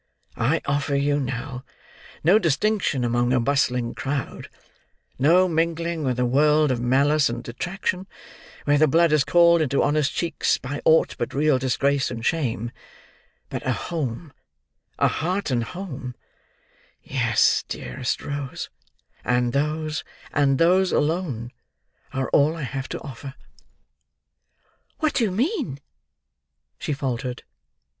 I offer you, now, no distinction among a bustling crowd; no mingling with a world of malice and detraction, where the blood is called into honest cheeks by aught but real disgrace and shame; but a home—a heart and home—yes, dearest Rose, and those, and those alone, are all I have to offer." "What do you mean!" she faltered.